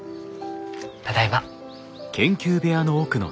ただいま。